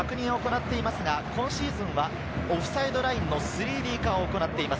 今シーズンはオフサイドラインの３Ｄ化を行っています。